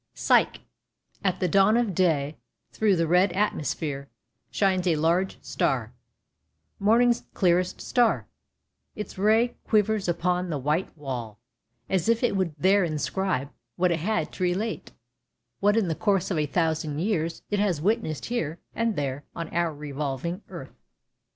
PSYCHE AT the dawn of day, through the red atmosphere, shines a large star, morning's clearest star; its ray quivers upon the white wall, as if it would there inscribe what it had to relate — what in the course of a thousand years it has witnessed here and there on our revolving earth.